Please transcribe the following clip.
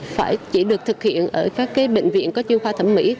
phải chỉ được thực hiện ở các bệnh viện có chuyên khoa thẩm mỹ